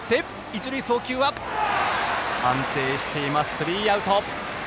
スリーアウト。